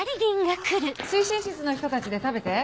推進室の人たちで食べて。